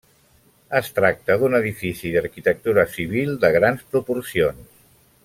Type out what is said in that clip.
Es tracta d'un edifici d'arquitectura civil de grans proporcions.